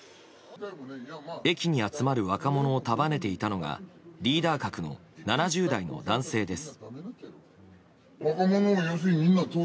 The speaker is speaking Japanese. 駅に集まる若者を束ねていたのがリーダー格の７０代の男性です。